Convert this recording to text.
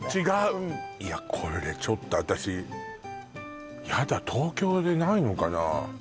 違うこれちょっと私やだ東京でないのかな？